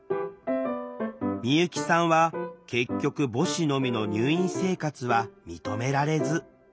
美由紀さんは結局母子のみの入院生活は認められず。